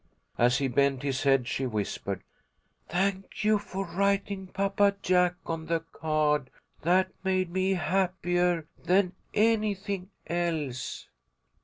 As he bent his head she whispered, "Thank you for writing Papa Jack on the card. That made me happier than anything else."